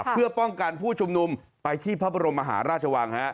เพื่อป้องกันผู้ชุมนุมไปที่พระบรมมหาราชวัง